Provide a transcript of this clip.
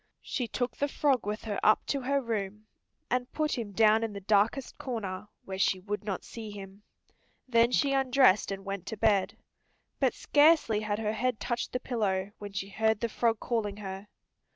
She took the frog with her up to her room, and put him down in the darkest corner, where she would not see him. Then she undressed and went to bed. But scarcely had her head touched the pillow when she heard the frog calling her.